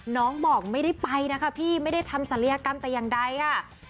น้องบอกไม่ได้ไปนะคะพี่ไม่ได้ทำศัลยกรรมแต่อย่างใดค่ะ